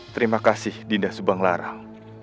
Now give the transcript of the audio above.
terima kasih dinda subanglarang